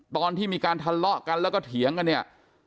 ตอนที่มีการทะเลาะกันแล้วก็เถียงกันเนี่ย